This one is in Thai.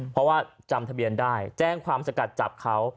เพราะว่าจำทะเบียนได้แจ้งความสกัดจับเขา